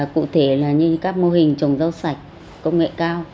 cụ thể là như các mô hình trồng rau sạch công nghệ cao